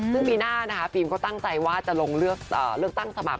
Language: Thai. ซึ่งปีหน้านะคะฟิล์มก็ตั้งใจว่าจะลงเลือกตั้งสมัค